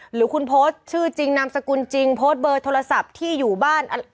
หรือคุณโพสต์ชื่อจริงนามสกุลจริงโพสต์เบอร์โทรศัพท์ที่อยู่บ้าน